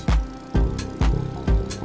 jalan atau pake motor